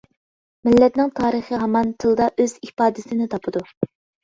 مىللەتنىڭ تارىخى ھامان تىلدا ئۆز ئىپادىسىنى تاپىدۇ.